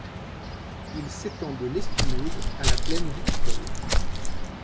Il s'étend de l'Espinouse à la plaine viticole.